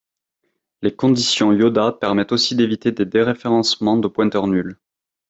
Les conditions Yoda permettent aussi d'éviter des déréfencements de pointeur nul.